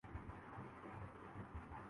دوب مرنے کا کوئی مقام ہے